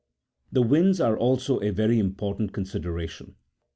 445 The winds are also a very important consideration.